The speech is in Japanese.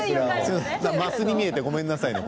升に見えて、ごめんなさいね。